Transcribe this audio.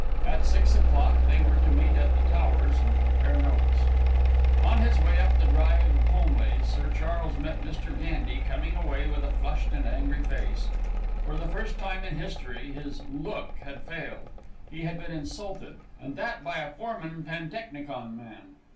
At six o'clock they were to meet at The Towers and compare notes. On his way up the drive of Holmleigh Sir Charles met Mr. Gandy coming away with a flushed and angry face. For the first time in history his "look" had failed. He had been insulted, and that by a foreman pantechnicon man.